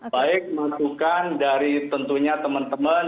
baik masukan dari tentunya teman teman